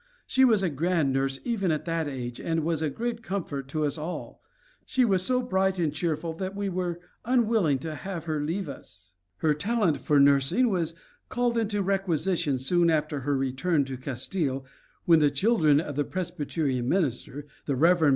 She was a grand nurse, even at that age, and was a great comfort to us all; she was so bright and cheerful that we were unwilling to have her leave us." Her talent for nursing was called into requisition soon after her return to Castile when the children of the Presbyterian minister, the Rev. Mr.